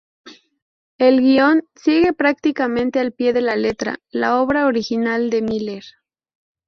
El guion sigue prácticamente al pie de la letra la obra original de Miller.